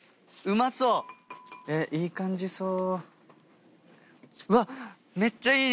いい感じそう！